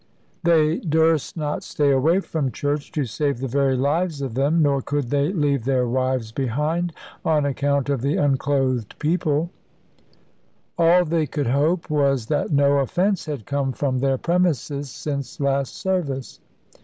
They durst not stay away from church, to save the very lives of them, nor could they leave their wives behind, on account of the unclothed people: all they could hope was that no offence had come from their premises, since last service.